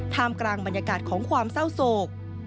กลางบรรยากาศของความเศร้าโศก